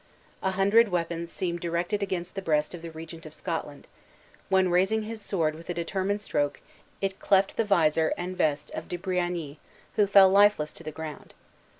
A hundred weapons seemed directed against the breast of the Regent of Scotland, when, raising his sword with a determined stroke, it cleft the visor and vest of De Briagny, who fell lifeless to the ground.